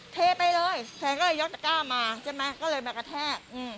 เทไปเลยแฟนก็เลยยกตะก้ามาใช่ไหมก็เลยมากระแทก